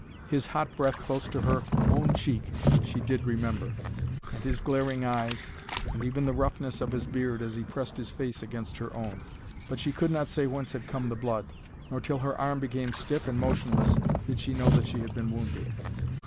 His hot breath close to her own cheek she did remember, and his glaring eyes, and even the roughness of his beard as he pressed his face against her own; but she could not say whence had come the blood, nor till her arm became stiff and motionless did she know that she had been wounded.